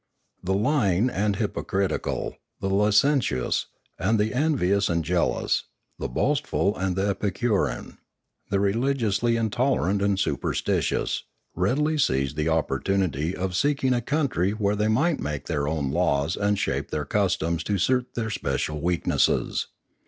The lying and hypocritical, the licen tious, the envious and jealous, the boastful and the epicurean, the religiously intolerant and superstitious, readily seized the opportunity of seeking a country where they might make their own laws and shape their customs to suit their special weakness.